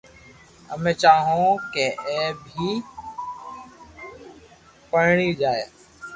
امي چاھو ھون ڪو ائ بي پڻڙي جائي